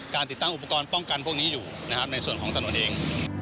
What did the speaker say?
ติดตั้งอุปกรณ์ป้องกันพวกนี้อยู่นะครับในส่วนของถนนเอง